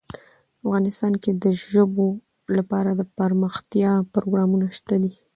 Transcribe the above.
افغانستان کې د ژبو لپاره دپرمختیا پروګرامونه شته دي.